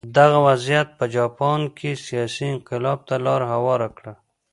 دغه وضعیت په جاپان کې سیاسي انقلاب ته لار هواره کړه.